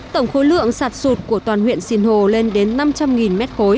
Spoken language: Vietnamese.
tổng khối lượng sạt sụt của toàn huyện sinh hồ lên đến năm trăm linh m ba